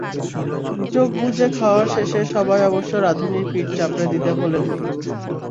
চোখ বুজে খাওয়া শেষে সবাই অবশ্য রাঁধুনির পিঠ চাপড়ে দিতে ভোলেননি।